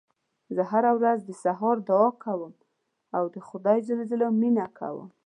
زه هره ورځ د سهار دعا کوم او د خدای ج مننه کوم